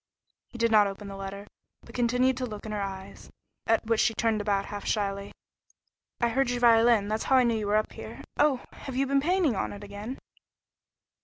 He did not open the letter, but continued to look in her eyes, at which she turned about half shyly. "I heard your violin; that's how I knew you were up here. Oh! Have you been painting on it again?"